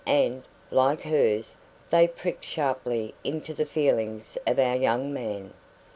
And, like hers, they pricked sharply into the feelings of our young man.